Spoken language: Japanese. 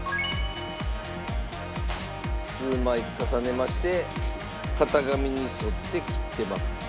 数枚重ねまして型紙に沿って切ってます。